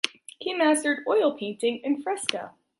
He mastered oil painting and fresco